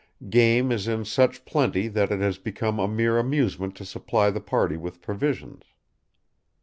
Game is in such plenty that it has become a mere amusement to supply the party with provisions."